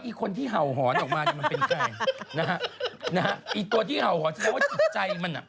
อีตัวที่เห่าหอนใช่ว่าจิตใจมัน